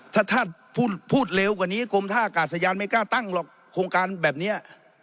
ถ้าท่านพูดเร็วกว่านี้กรมท่าอากาศยานไม่กล้าตั้งหรอกโครงการแบบนี้